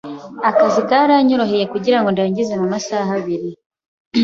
Akazi karanyoroheye kugirango ndangize mumasaha abiri.